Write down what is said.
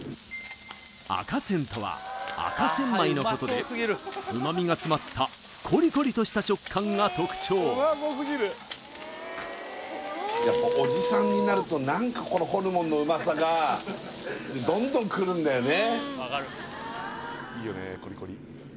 アカセンとは赤センマイのことで旨みが詰まったコリコリとした食感が特徴おじさんになると何かこのホルモンのうまさがどんどんくるんだよね